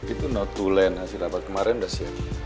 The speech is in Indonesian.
itu not to land hasil rapat kemarin udah siapin